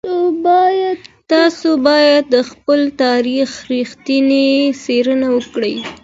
تاسو بايد د خپل تاريخ رښتينې څېره وګورئ.